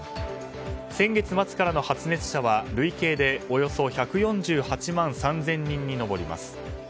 先月末からの発熱者は累計でおよそ１４８万３０００人に上ります。